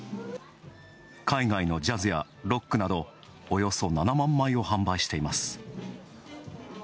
海外のジャズやロックなどおよそ７万枚を販売しています。